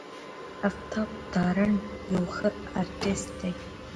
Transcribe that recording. آفتاب تارڼ يو ښه آرټسټ دی.